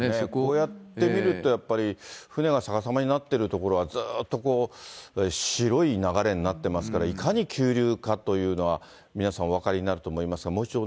こうやって見ると、舟が逆さまになってるところは、ずっとこう、白い流れになってますから、いかに急流かというのは、皆さんお分かりになると思います